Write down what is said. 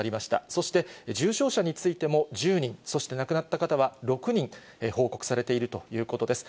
そして、重症者についても１０人、そして亡くなった方は６人、報告されているということです。